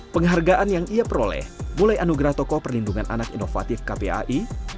penghargaan yang ia peroleh mulai anugerah tokoh perlindungan anak inovatif kpai